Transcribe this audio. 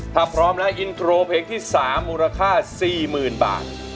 ถ้าพร้อมแล้วอินโทรเพลงที่๓มูลค่า๔๐๐๐บาท